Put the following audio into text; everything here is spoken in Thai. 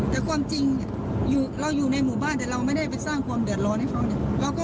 แต่ความจริงเนี่ยเราอยู่ในหมู่บ้านแต่เราไม่ได้ไปสร้างความเดือดร้อนให้เขาเนี่ย